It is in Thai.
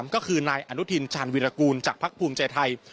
ก็คือนายอนุทินชาญวิรากูลจากภักดิ์ภูมิใจไทย